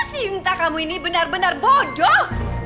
cinta kamu ini benar benar bodoh